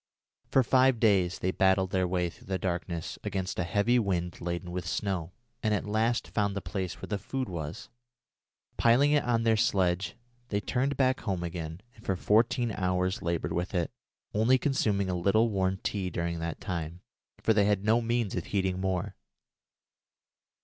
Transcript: For five days they battled their way through the darkness against a heavy wind laden with snow, and at last found the place where the food was. Piling it on their sledge, they turned back home again, and for fourteen hours laboured with it, only consuming a little warm tea during that time, for they had no means of heating more.